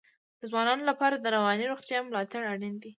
د ځوانانو لپاره د رواني روغتیا ملاتړ اړین دی.